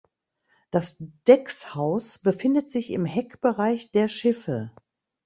Das Deckshaus befindet sich im Heckbereich der Schiffe.